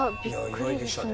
意外でしたね。